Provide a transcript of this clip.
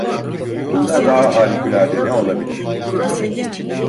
Bundan daha harikulade ne olabilir?